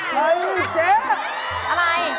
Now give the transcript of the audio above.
เฮ้ยเจ๊สุดยอดอะไร